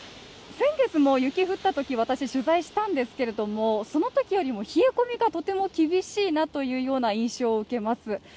先月も雪が降ったとき、私、取材したんですけれども、そのときよりも冷え込みがとても厳しいなというような印象を受けます。